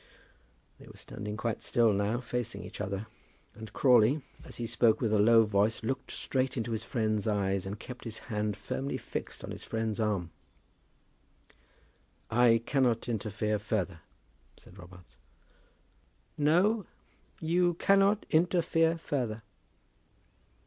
They were standing quite still now, facing each other, and Crawley, as he spoke with a low voice, looked straight into his friend's eyes, and kept his hand firmly fixed on his friend's arm. "I cannot interfere further," said Robarts. "No, you cannot interfere further."